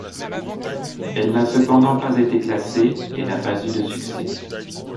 Elle n'a cependant pas été classée et n'a pas eu de succès.